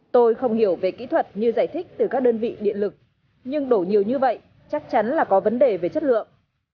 tôi không hiểu về kỹ thuật như giải thích từ các đơn vị điện lực nhưng đổ nhiều như vậy chắc chắn là có vấn đề về chất lượng